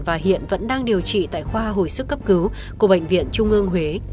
và hiện vẫn đang điều trị tại khoa hồi sức cấp cứu của bệnh viện trung ương huế